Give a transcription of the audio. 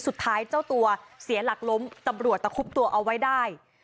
เจ้าตัวเสียหลักล้มตำรวจตะคุบตัวเอาไว้ได้